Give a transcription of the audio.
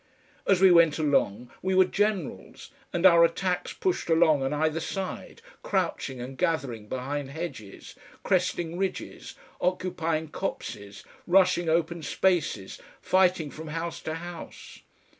As we went along we were generals, and our attacks pushed along on either side, crouching and gathering behind hedges, cresting ridges, occupying copses, rushing open spaces, fighting from house to house.